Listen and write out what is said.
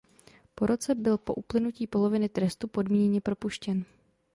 Po roce byl po uplynutí poloviny trestu podmíněně propuštěn.